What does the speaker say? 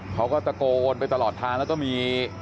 เขาก็ตะโกนไปตลอดทางแล้วก็มี